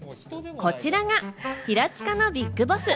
こちらが平塚のビッグＢＯＳＳ。